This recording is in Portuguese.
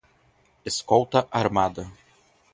Escolta armada